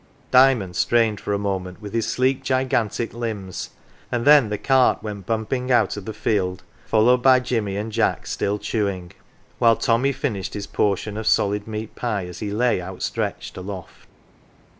Diamond strained for a moment with his sleek gigantic limbs, and then the cart went bumping out of the field, followed by Jimmy and Jack still chewing, while Tommy finished his portion of solid meat pie as he lay outstretched aloft.